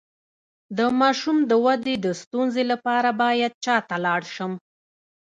د ماشوم د ودې د ستونزې لپاره باید چا ته لاړ شم؟